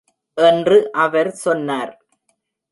என்று அவர் சொன்னார்.